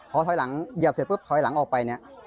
พอถอยหลังเหยียบเสร็จปุ๊บถอยหลังออกไปเนี่ย